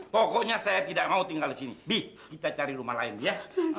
pokoknya saya tidak mau tinggal di sini bih kita cari rumah lain dia